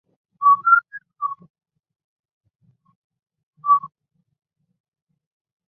西藏扭连钱为唇形科扭连钱属下的一个种。